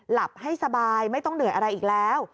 หลับให้สบายไม่ต้องเหนื่อยอะไรอีกแล้ว